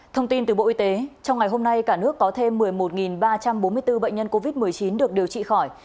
thông tin từ bộ y tế trong ngày hôm nay cả nước có thêm một mươi một ba trăm bốn mươi bốn bệnh nhân covid một mươi chín được điều trị khỏi